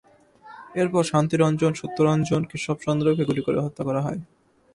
এরপর শান্তি রঞ্জন, সত্য রঞ্জন, কেশব চন্দ্রকে গুলি করে হত্যা করা হয়।